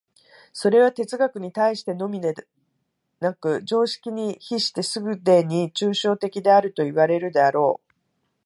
それは哲学に対してのみでなく、常識に比してすでに抽象的であるといわれるであろう。